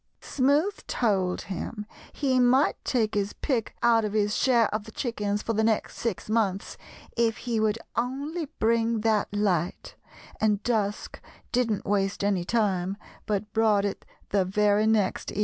"Smoothe told him he might take his pick out of his share of the chickens for the next six months if he would only bring that light, and Dusk didn't waste any time, but brought it the very next evening."